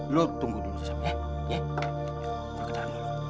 lo tunggu dulu ya